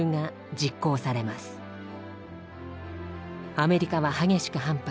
アメリカは激しく反発。